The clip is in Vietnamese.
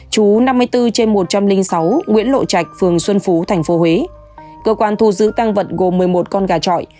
chú năm mươi bốn trên một trăm linh sáu nguyễn lộ trạch phường xuân phú tp huế cơ quan thu giữ tăng vật gồm một mươi một con gà trọi